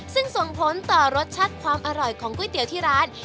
ซึ่งส่งผลต่อรสชาติความอร่อยของก๋วยเตี๋ยวที่ร้าน